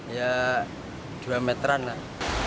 ya dua meteran lah